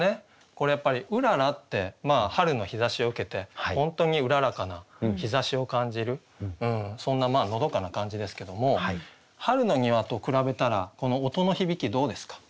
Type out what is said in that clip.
これやっぱり「うらら」って春の日ざしを受けて本当に麗かな日ざしを感じるそんなのどかな感じですけども「春の庭」と比べたらこの音の響きどうですか？